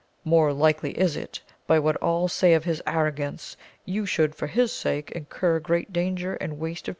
More likely is it, by what all say of his arrogance, you should for his sake, incur great danger, and waste of AMADIS OF GAUL.